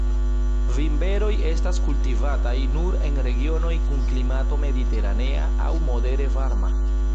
Vinberoj estas kultivataj nur en regionoj kun klimato mediteranea aŭ modere varma.